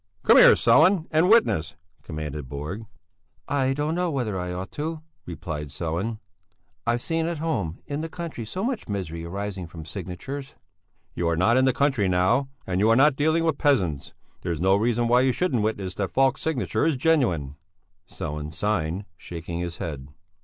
"Come here, Sellén, and witness," commanded Borg. "I don't know whether I ought to," replied Sellén, "I've seen at home, in the country, so much misery arising from such signatures...." "You are not in the country now, and you are not dealing with peasants. There's no reason why you shouldn't witness that Falk's signature is genuine." Sellén signed, shaking his head.